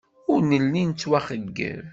Ur nelli nettwaxeyyeb.